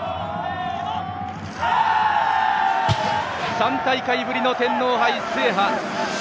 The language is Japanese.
３大会ぶりの天皇杯制覇！